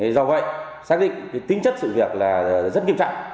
do vậy xác định tính chất sự việc là rất nghiêm trọng